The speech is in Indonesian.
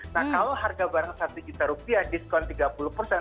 nah kalau harga barang satu juta rupiah diskon tiga puluh persen